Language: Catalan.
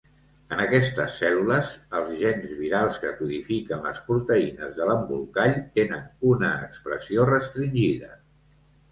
En aquestes cèl·lules, els gens virals que codifiquen les proteïnes de l'embolcall tenen una expressió restringida.